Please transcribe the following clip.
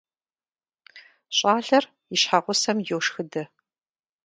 ЩӀалэр и щхьэгъусэм йошхыдэ.